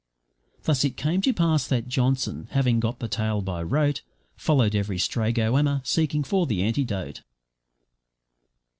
Thus it came to pass that Johnson, having got the tale by rote, Followed every stray goanna, seeking for the antidote.